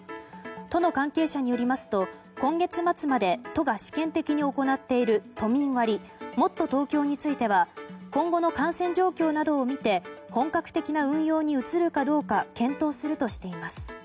都の関係者によりますと今月末まで都が試験的に行っている都民割もっとＴｏｋｙｏについては今後の感染状況などを見て本格的な運用に移るかどうか検討するとしています。